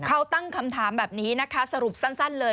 เขาตั้งคำถามแบบนี้นะคะสรุปสั้นเลย